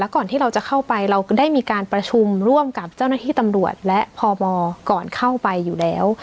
ก่อนที่เราจะเข้าไปเราก็ได้มีการประชุมร่วมกับเจ้าหน้าที่ตำรวจและพบก่อนเข้าไปอยู่แล้ว